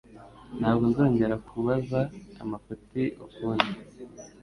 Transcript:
Ntabwo nzongera kubaza amafuti ukundi.